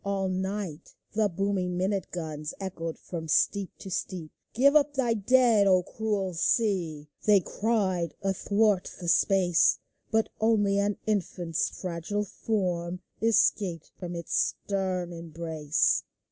All night the booming minute guns Echoed from steep to steep. " Give up thy dead, O cruel sea !" They cried athwart the space ; But only an infant's fragile form Escaped from its stern embrace.